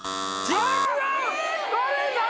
じゃあ何？